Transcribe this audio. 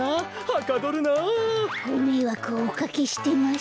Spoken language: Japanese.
ごめいわくをおかけしてます。